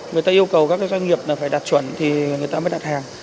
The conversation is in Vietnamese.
người ta yêu cầu các doanh nghiệp phải đạt chuẩn thì người ta mới đặt hàng